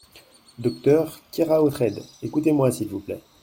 Docteur Keraotred, écoutez-moi s’il vous plait.